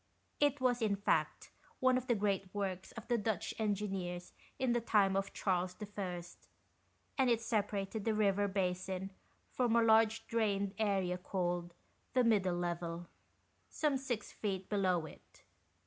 It was, in fact, one of the great works of the Dutch Engineers in the time of Charles I., and it separated the river basin from a large drained area called the " Middle Level," some six feet below it.